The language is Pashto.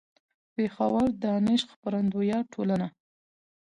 . پېښور: دانش خپرندويه ټولنه